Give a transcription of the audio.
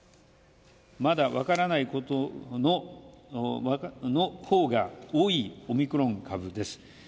まだ分からないことのほうが多いオミクロン株です。